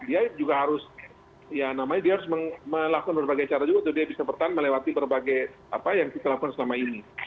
dia juga harus melakukan berbagai cara juga untuk dia bisa bertahan melewati berbagai apa yang kita lakukan selama ini